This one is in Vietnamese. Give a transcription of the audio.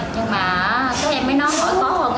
nhưng mà các em mới nói hỏi có không